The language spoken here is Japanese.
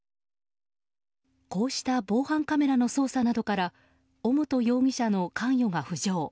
こうした防犯カメラの捜査などから尾本容疑者の関与が浮上。